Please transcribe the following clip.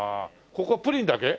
ここはプリンだけ？